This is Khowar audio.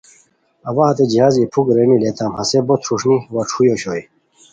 اوا ہتے جہازی ای پُھوک رینی لیتام ہسے بو تھروݰنی وا ݯھوئے اوشوئے